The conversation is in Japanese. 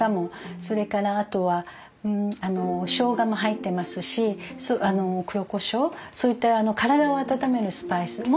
それからあとはしょうがも入ってますし黒こしょうそういった体を温めるスパイス。